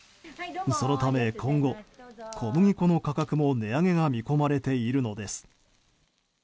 そのため今後、小麦粉の価格も値上げが見込まれているのです。